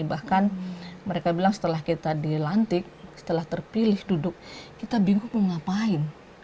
bahkan mereka bilang setelah kita dilantik setelah terpilih duduk kita bingung mau ngapain